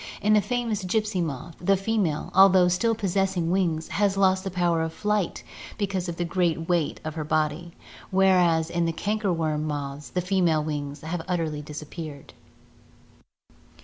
In the famous gypsy moth, the female, although still possessing wings, has lost the power of flight because of the great weight of her body, whereas in the canker worm moths the female wings have utterly disappeared.